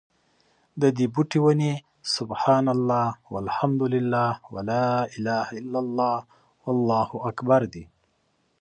ددي بوټي، وني: سُبْحَانَ اللهِ وَالْحَمْدُ للهِ وَلَا إِلَهَ إلَّا اللهُ وَاللهُ أكْبَرُ دي